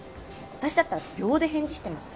私だったら秒で返事してます